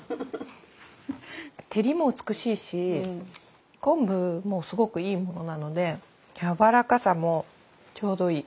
照りも美しいし昆布もすごくいいものなのでやわらかさもちょうどいい。